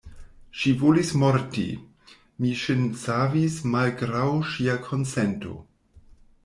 Ŝi volis morti: mi ŝin savis malgraŭ ŝia konsento.